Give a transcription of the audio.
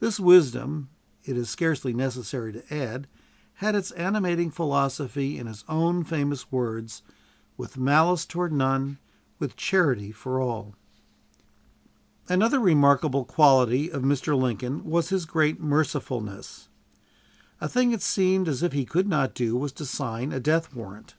This wisdom, it is scarcely necessary to add, had its animating philosophy in his own famous words, "With malice toward none, with charity for all." Another remarkable quality of Mr. Lincoln was his great mercifulness. A thing it seemed as if he could not do was to sign a death warrant.